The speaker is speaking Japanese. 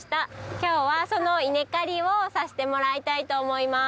今日はその稲刈りをさせてもらいたいと思います。